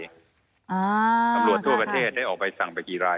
อ๋อค่ะค่ะตรรวจทั่วประเทศได้ออกไปสั่งไปกี่ราย